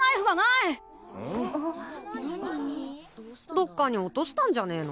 どっかに落としたんじゃねえの？